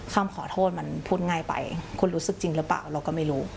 คำขอโทษมันพูดง่ายไปคุณรู้สึกจริงหรือเปล่าเราก็ไม่รู้